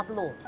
kau alat lu